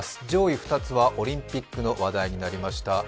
上位２つはオリンピックの話題になりました。